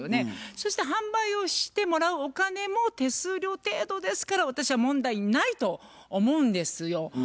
そして販売をしてもらうお金も手数料程度ですから私は問題ないと思うんですよ。